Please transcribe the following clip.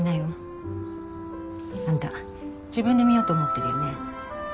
あんた自分で見ようと思ってるよね。